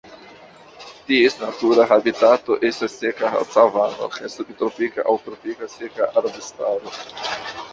Ties natura habitato estas seka savano kaj subtropika aŭ tropika seka arbustaro.